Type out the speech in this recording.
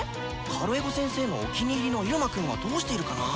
カルエゴ先生のお気に入りの入間くんはどうしているかな？